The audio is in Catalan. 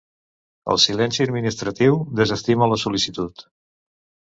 El silenci administratiu desestima la sol·licitud.